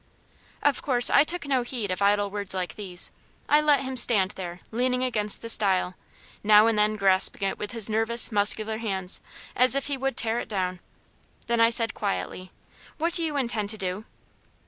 Of course I took no heed of idle words like these. I let him stand there, leaning against the stile, now and then grasping it with his nervous, muscular hands, as if he would tear it down; then I said quietly: "What do you intend to do?"